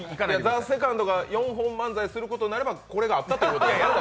「ＴＨＥＳＥＣＯＮＤ」が４本漫才することになればこれがあったっていうことですよね？